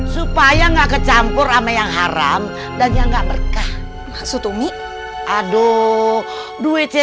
supaya nggak kecampur sama yang haram dan yang gak berkah maksud umi aduh duitnya